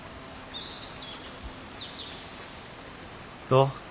どう？